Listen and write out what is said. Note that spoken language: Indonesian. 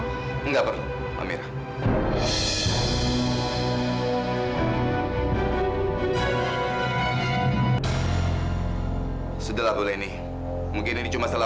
kamu dasar nggak tahu malu